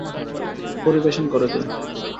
পরিবেশন করে দিন।